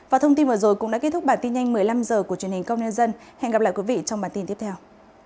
và thông tin vừa rồi cũng đã kết thúc bản tin nhanh một mươi năm h của truyền hình công nhân dân hẹn gặp lại quý vị trong bản tin tiếp theo